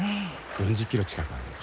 ４０ｋｇ近くあるんです。